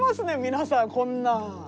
皆さんこんな。